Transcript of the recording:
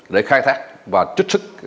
để khai thác và chích sức